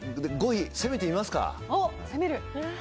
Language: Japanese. ５位、攻めてみますか。